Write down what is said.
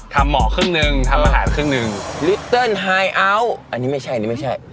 ทำหมอครึ่งหนึ่งทำอาหารครึ่งหนึ่งอันนี้ไม่ใช่อันนี้ไม่ใช่